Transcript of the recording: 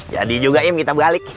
jadi juga im kita balik